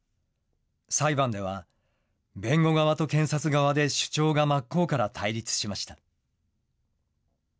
裁判では、弁護側と検察側で主張が真っ向から対立しました。